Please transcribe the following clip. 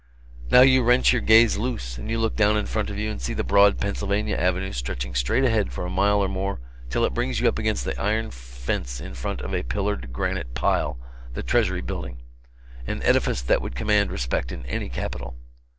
Now you wrench your gaze loose, and you look down in front of you and see the broad Pennsylvania Avenue stretching straight ahead for a mile or more till it brings up against the iron fence in front of a pillared granite pile, the Treasury building an edifice that would command respect in any capital.